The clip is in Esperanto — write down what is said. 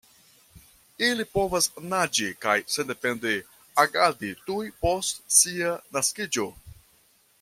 Ili povas naĝi kaj sendepende agadi tuj post sia naskiĝo.